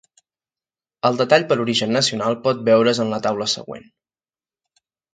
El detall per origen nacional pot veure's en la taula següent.